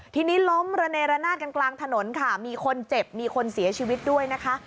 ทีนี้ล้มระเนระนาดกันกลางถนนค่ะมีคนเจ็บมีคนเสียชีวิตด้วยนะคะ